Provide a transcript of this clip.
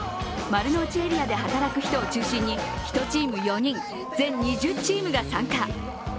丸の内エリアで働く人を中心に、１チーム４人、全２０チームが参加。